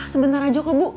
sebentar aja bu